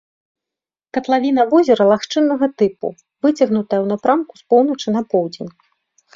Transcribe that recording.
Катлавіна возера лагчыннага тыпу, выцягнутая ў напрамку з поўначы на поўдзень.